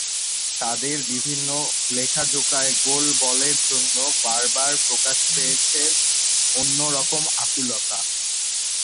তাঁদের বিভিন্ন লেখাজোকায় গোল বলের জন্য বারবার প্রকাশ পেয়েছে অন্য রকম আকুলতা।